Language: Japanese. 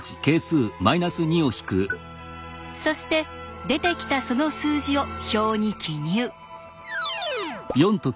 そして出てきたその数字を表に記入。